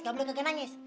nggak boleh nangis